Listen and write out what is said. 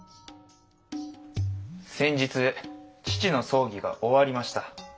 先日父の葬儀が終わりました。